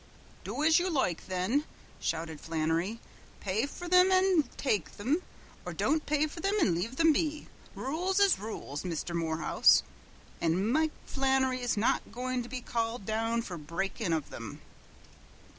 "Do as you loike, then!" shouted Flannery, "pay for thim an' take thim, or don't pay for thim and leave thim be. Rules is rules, Misther Morehouse, an' Mike Flannery's not goin' to be called down fer breakin' of thim."